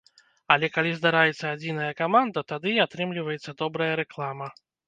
Але калі здараецца адзіная каманда, тады і атрымліваецца добрая рэклама.